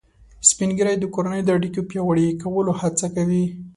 سپین ږیری د کورنۍ د اړیکو پیاوړي کولو هڅه کوي